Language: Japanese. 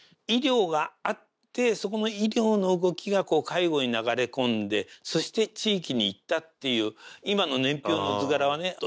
医療があってそこの医療の動きが介護に流れ込んでそして地域に行ったっていう今の年表の図柄はね